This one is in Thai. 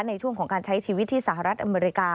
ในช่วงของการใช้ชีวิตที่สหรัฐอเมริกา